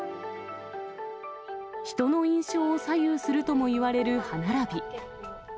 人の印象を左右するともいわれる歯並び。